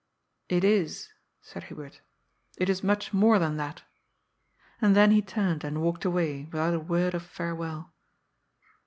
" It is," said Hubert. " It is much more than that." And then he turned and walked away without a word of farewell.